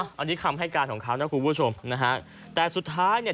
นะอันนี้คำแภกรณ์ของขาวนักครูผู้ชมนะฮะแต่สุดท้ายเนี่ย